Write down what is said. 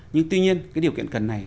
nhưng tuy nhiên cái điều kiện cần này